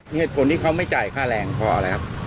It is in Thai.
เหตุผลที่เขาไม่จ่ายค่าแหล่งพอแล้ว